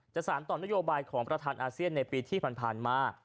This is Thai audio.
สารต่อนโยบายของประธานอาเซียนในปีที่ผ่านมา